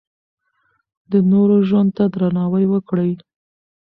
د نورو ژوند ته درناوی وکړئ.